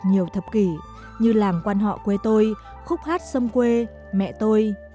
nhiều thập kỷ như làng quan họ quê tôi khúc hát sâm quê mẹ tôi